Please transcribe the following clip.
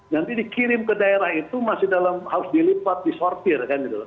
nanti dikirim ke daerah itu masih dalam harus dilipat disortir kan gitu loh